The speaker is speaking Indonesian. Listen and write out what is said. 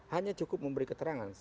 hanya cukup memberi keterangan